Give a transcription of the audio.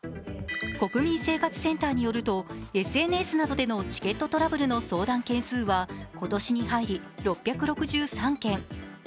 国民生活センターによると、ＳＮＳなどでのチケットトラブルの相談件数は今年に入り６６３件。